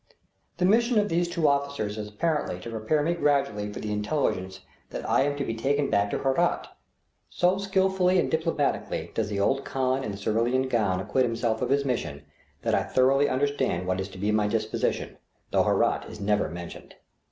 The mission of these two officers is apparently to prepare me gradually for the intelligence that I am to be taken back to Herat. So skillfully and diplomatically does the old khan in the cerulean gown acquit himself of this mission, that I thoroughly understand what is to be my disposition, although Herat is never mentioned.